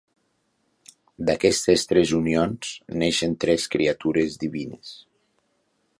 D'aquestes tres unions neixen tres criatures divines.